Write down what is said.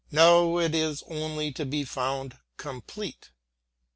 No, it is only to be found complete.